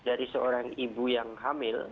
dari seorang ibu yang hamil